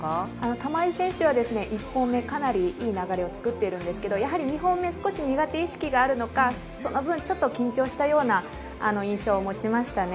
玉井選手は１本目かなりいい流れを作ってるんですがやはり２本目少し苦手意識があるのかその分ちょっと緊張したような印象を持ちましたね。